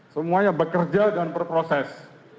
semuanya bekerja dan berproses